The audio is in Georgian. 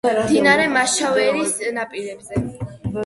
მდინარე მაშავერის ნაპირებზე.